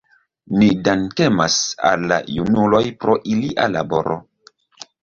Ni dankemas al la junuloj pro ilia laboro.